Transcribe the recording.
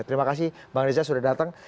terima kasih bang reza sudah datang